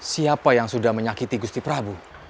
siapa yang sudah menyakiti gusti prabu